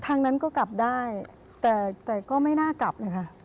ทางนั้นก็กลับได้แต่ก็ไม่น่ากลับเลยค่ะ